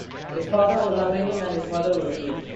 His father was Armenian and his mother was Greek.